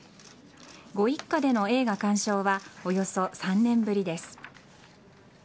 ご一家での映画鑑賞はおよそ３年ぶりです。